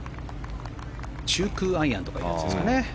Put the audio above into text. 中空アイアンとかいうやつですかね。